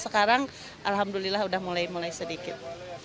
sekarang alhamdulillah udah mulai mulai sedikit